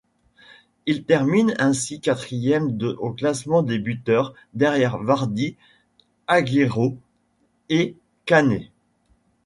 Il termine ainsi quatrième au classement des buteurs, derrière Vardy, Agüero et Kane.